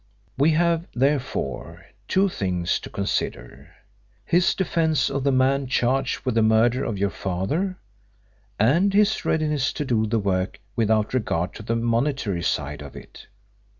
We have, therefore, two things to consider his defence of the man charged with the murder of your father, and his readiness to do the work without regard to the monetary side of it.